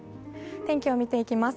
天気を見ていきます。